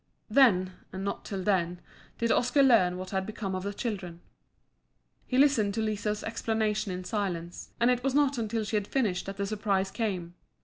Then, and not till then, did Oscar learn what had become of the children. He listened to Liso's explanation in silence, and it was not until she had finished that the surprise came.